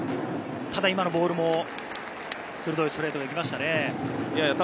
今のボールも鋭いストレートがいきましたね。